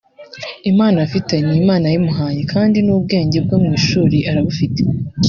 impano afite n’Imana yayimuhaye kandi n’ubwenge bwo mu ishuri arabufite